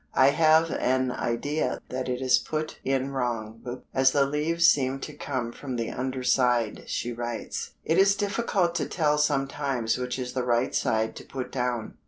"I have an idea that it is put in wrong, as the leaves seem to come from the under side," she writes. It is difficult to tell sometimes which is the right side to put down.